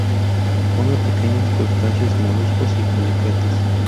Come pequeños crustáceos, moluscos y poliquetos.